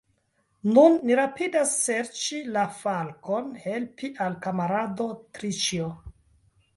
Nun ni rapidas serĉi la falkon, helpi al kamarado Triĉjo.